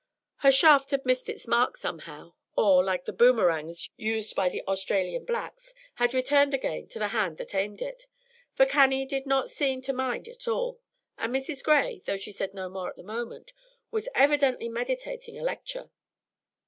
Her shaft had missed its mark somehow, or, like the boomerangs used by the Australian blacks, had returned again to the hand that aimed it; for Cannie did not seem to mind at all, and Mrs. Gray, though she said no more at the moment, was evidently meditating a lecture.